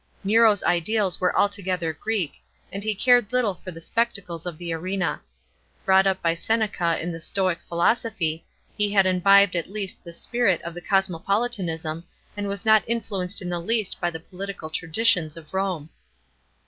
Nero's ideals were altogether Greek, and i.e cared little for the spectacles of the arena. Brought up by Seneca in the Stoic philosophy, he had imbibed at least the spirit of cosmopolitanism and was not influenced in the least by the political traditions of Rome.